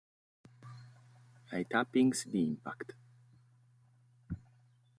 Ai tapings di "Impact!